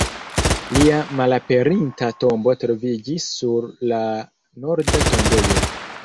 Lia malaperinta tombo troviĝis sur la Norda tombejo.